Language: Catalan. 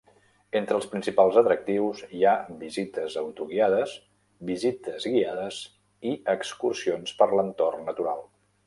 Entre els principals atractius, hi ha visites autoguiades, visites guiades i excursions per l'entorn natural.